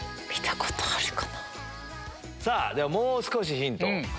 ではもう少しヒントを。